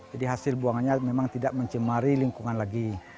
jadi hasil buangannya memang tidak mencemari lingkungan lagi